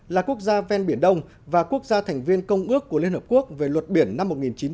là quốc gia ven biển đông và quốc gia thành viên công ước của liên hợp quốc về luật biển năm một nghìn chín trăm tám mươi hai